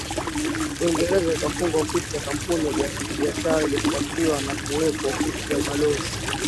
Uingereza ikafungua ofisi ya kampuni ya kibiashara iliyofuatiwa na kuweka ofisi ya ubalozi